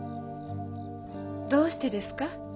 どうしてですか？